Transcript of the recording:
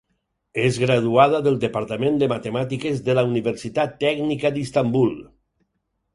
És graduada del departament de matemàtiques de la Universitat Tècnica d'Istanbul.